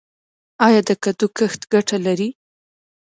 آیا د کدو کښت ګټه لري؟